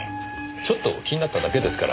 ちょっと気になっただけですから。